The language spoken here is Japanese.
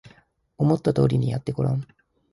思った通りにやってごらん